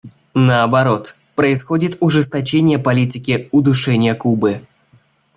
Наоборот, происходит ужесточение политики удушения Кубы.